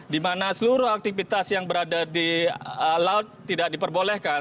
di mana seluruh aktivitas yang berada di laut tidak diperbolehkan